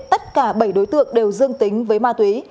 tất cả bảy đối tượng đều dương tính với ma túy